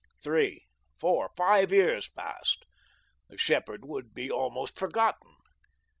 Three, four, five years passed. The shepherd would be almost forgotten.